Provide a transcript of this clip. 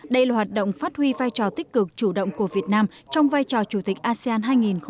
đây là hoạt động phát huy vai trò tích cực chủ động của việt nam trong vai trò chủ tịch asean hai nghìn hai mươi